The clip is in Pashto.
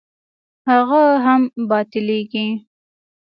هغه هم باطلېږي.